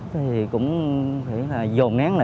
thì cũng dồn nén